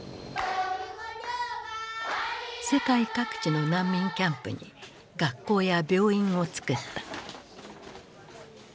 世界各地の難民キャンプに学校や病院をつくった。